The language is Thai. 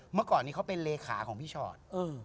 เมื่อก่อนนี้เขาเป็นเลขาของพี่ชอต